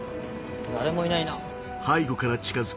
誰もいないな。